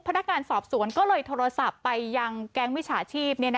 พนักงานสอบสวนก็เลยโทรศัพท์ไปยังแก๊งมิจฉาชีพ